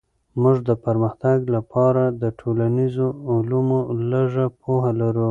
موږ د پرمختګ لپاره د ټولنيزو علومو لږه پوهه لرو.